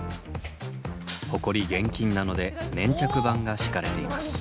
ホコリ厳禁なので粘着板が敷かれています。